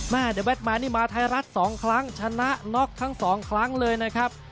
เดอแดดมายนี่มาไทยรัฐ๒ครั้งชนะน็อกทั้งสองครั้งเลยนะครับ